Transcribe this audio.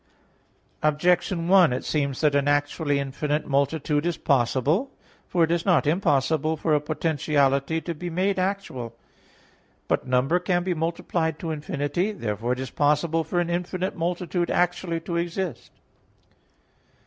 Objection 1: It seems that an actually infinite multitude is possible. For it is not impossible for a potentiality to be made actual. But number can be multiplied to infinity. Therefore it is possible for an infinite multitude actually to exist.